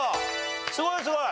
すごいすごい。